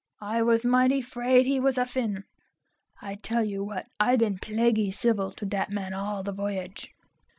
"I was mighty 'fraid he was a Fin. I tell you what, I been plaguy civil to that man all the voyage."